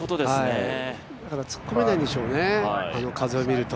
だから突っ込めないんでしょうね、あの風を見ると。